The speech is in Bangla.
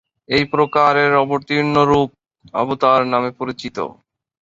এই প্রকারের অবতীর্ণ রূপ "অবতার" নামে পরিচিত।